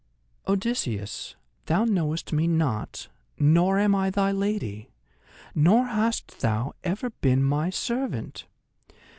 "Odysseus, thou knowest me not, nor am I thy lady, nor hast thou ever been my servant!